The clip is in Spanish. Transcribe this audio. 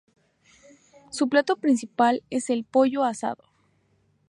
Su plato principal es el "pollo asado".